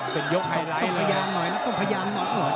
เป็นยกไฮไลท์เฮ้ยต้องพยายามหน่อยนะ